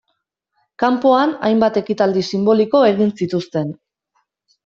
Kanpoan, hainbat ekitaldi sinboliko egin zituzten.